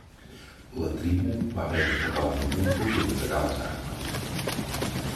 La tribu va haver de pagar una multa i entregar les armes.